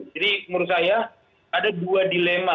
jadi menurut saya ada dua dilema